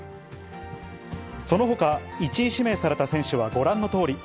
そのほか、１位指名された選手はご覧のとおり。